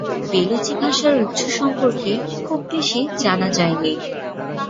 Bellucci ভাষার উৎস সম্পর্কে খুব বেশি জানা যায়নি।